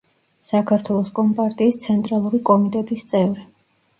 საქართველოს კომპარტიის ცენტრალური კომიტეტის წევრი.